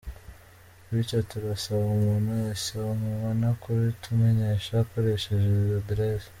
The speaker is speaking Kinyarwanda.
Bityo turasaba umuntu wese wamubona kubitumenyesha akoresheje izi address:.